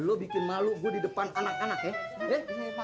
lo bikin malu gue di depan anak anak ya